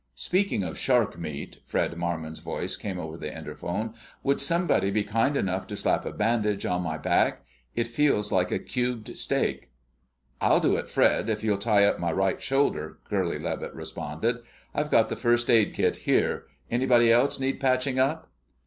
"Speaking of shark meat," Fred Marmon's voice came over the interphone, "would somebody be kind enough to slap a bandage on my back? It feels like a cubed steak." "I'll do it, Fred, if you'll tie up my right shoulder," Curly Levitt responded. "I've got the first aid kit here.... Anybody else need patching up?"